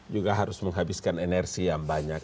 juga harus menghabiskan energi yang banyak